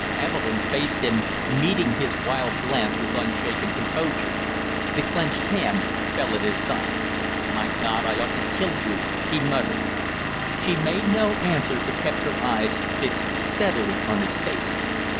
Evelyn faced him, meeting his wild glance with unshaken composure. The clenched hand fell at his side. "My God, I ought to kill you!" he muttered. She made him no answer, but kept her eyes fixed steadily on his face.